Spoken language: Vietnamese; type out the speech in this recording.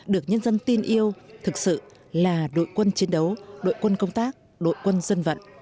được nhân dân tin yêu thực sự là đội quân chiến đấu đội quân công tác đội quân dân vận